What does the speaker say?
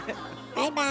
バイバーイ。